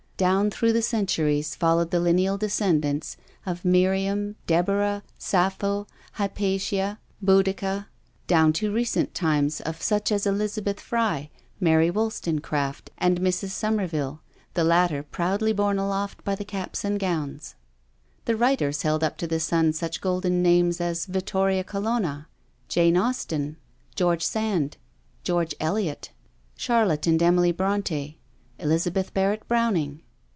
Down through the centuries followed the lineal descendants of Miriam, Deborah, Sappho, Hypatia, Boadicea, down to recent times of such as Elizabeth Fry, Mary WoUstonecraft and Mrs. Somerville, the latter proudly borne aloft by the caps and gowns. The writers held up to the sun such golden names as Vittoria Colonna, Jane Austen, George Sand, George Eliot, Charlotte and Emily Bronte, Elizabeth Barrett Browning.